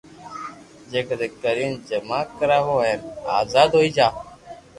جڪدو ڪرين جما ڪراو ھين آزاد ھوئي جا